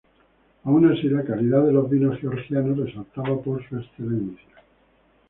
Aun así, la calidad de los vinos georgianos resaltaba por su excelencia.